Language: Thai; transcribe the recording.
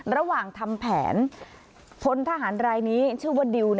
ระหว่างทำแผนพลทหารรายนี้ชื่อว่าดิว